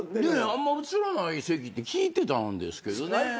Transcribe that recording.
あんま映らない席って聞いてたんですけどね。